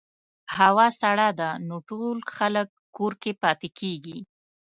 هوا سړه ده، نو ټول خلک کور کې پاتې کېږي.